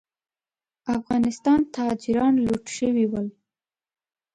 افغانستان تاجران لوټ شوي ول.